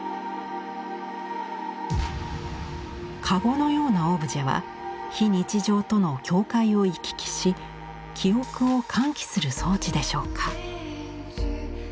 籠のようなオブジェは非日常との境界を行き来し記憶を喚起する装置でしょうか。